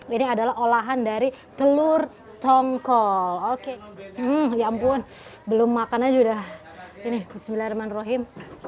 ini adalah olahan dari telur tongkol oke ya ampun belum makan aja udah ini bismillahirrahmanirrahim